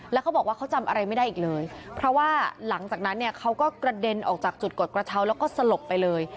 แล้วเขาบอกว่าเขาจำอะไรไม่ได้อีกเลยเพราะว่าหลังจากนั้นเนี่ยเขาก็กระเด็นออกจากจุดกดกระเช้าแล้วก็สลบไปเลย